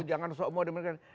jangan sok modem mereka